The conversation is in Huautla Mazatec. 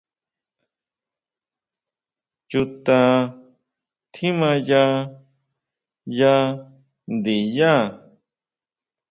¿Chuta tjimaya ya ndiyá?